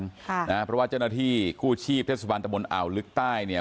เพราะว่าเจ้าหน้าที่กู้ชีพเทศบาลตะบนอ่าวลึกใต้เนี่ย